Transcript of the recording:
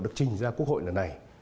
được trình ra quốc hội lần này